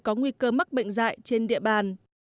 có nguy cơ mắc bệnh dại trên địa bàn